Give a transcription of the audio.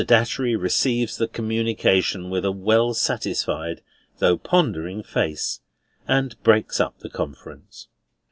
Datchery receives the communication with a well satisfied though pondering face, and breaks up the conference.